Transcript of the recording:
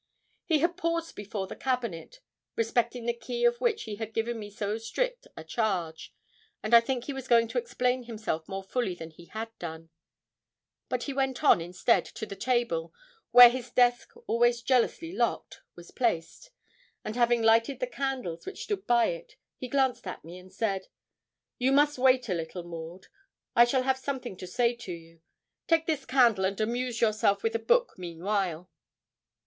He had paused before the cabinet, respecting the key of which he had given me so strict a charge, and I think he was going to explain himself more fully than he had done. But he went on, instead, to the table where his desk, always jealously locked, was placed, and having lighted the candles which stood by it, he glanced at me, and said 'You must wait a little, Maud; I shall have something to say to you. Take this candle and amuse yourself with a book meanwhile.'